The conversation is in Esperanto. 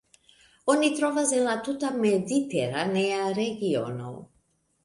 Oni trovas en la tuta mediteranea regiono.